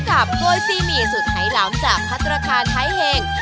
กลายไปพบกับโกยซีหมี่สูตรไทยล้ำจากพัฒนธรรคาไทเฮง